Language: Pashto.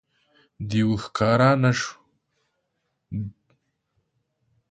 دېو ښکاره نه شو.